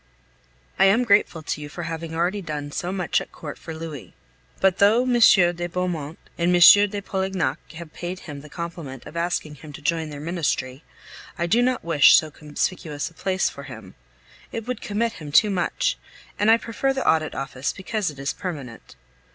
I am grateful to you for having already done so much at Court for Louis. But though M. de Bourmont and M. de Polignac have paid him the compliment of asking him to join their ministry, I do not wish so conspicuous a place for him. It would commit him too much; and I prefer the Audit Office because it is permanent.